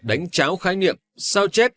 đánh cháo khái niệm sao chép